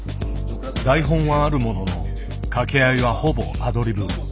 台本はあるものの掛け合いはほぼアドリブ。